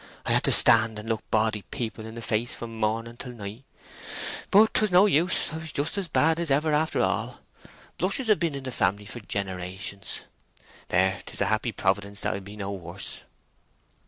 I had to stand and look ba'dy people in the face from morning till night; but 'twas no use—I was just as bad as ever after all. Blushes hev been in the family for generations. There, 'tis a happy providence that I be no worse."